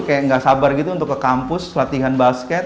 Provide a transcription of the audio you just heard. kayak nggak sabar gitu untuk ke kampus latihan basket